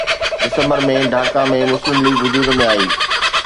ڊسمبر ۾ ڍاڪا ۾ مسلم ليگ وجود ۾ آئي